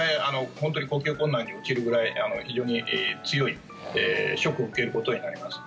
本当に、呼吸困難に陥るぐらい非常に強いショックを受けることになります。